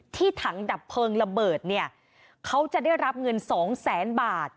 ถังดับเพลิงระเบิดเนี่ยเขาจะได้รับเงินสองแสนบาท